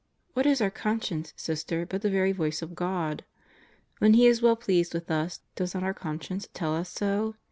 What is our conscience, Sister, but the very voice of God. When He is well pleased with us, does not our conscience tell us so?